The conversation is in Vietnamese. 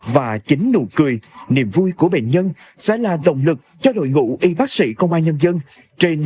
và chính nụ cười niềm vui của bệnh nhân sẽ là động lực cho đội ngũ y bác sĩ công an nhân dân